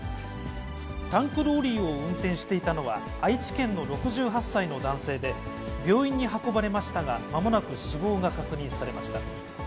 タンクローリーを運転していたのは、愛知県の６８歳の男性で、病院に運ばれましたが、まもなく死亡が確認されました。